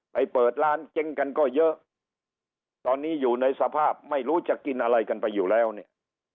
เปิดร้านเจ๊งกันก็เยอะตอนนี้อยู่ในสภาพไม่รู้จะกินอะไรกันไปอยู่แล้วเนี่ย